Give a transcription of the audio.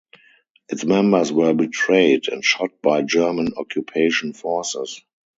Its members were betrayed, and shot by German occupation forces.